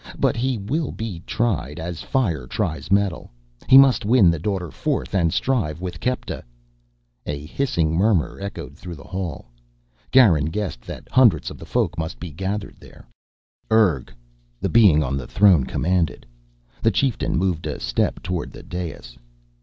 But he will be tried, as fire tries metal. He must win the Daughter forth and strive with Kepta " A hissing murmur echoed through the hall. Garin guessed that hundreds of the Folk must be gathered there. "Urg!" the being on the throne commanded. The chieftain moved a step toward the dais.